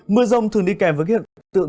mưa rong thường đi kèm với hiện tượng